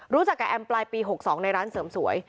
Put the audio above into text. รู้จักกับแอมปลายปี๖๒ในร้านเสริมสวย